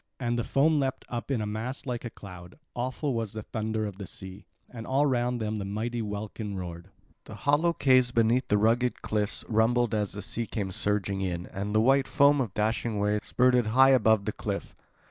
And the foam leapt up in a mass like a cloud; awful was the thunder of the sea; and all round them the mighty welkin roared. The hollow caves beneath the rugged cliffs rumbled as the sea came surging in; and the white foam of the dashing wave spurted high above the cliff.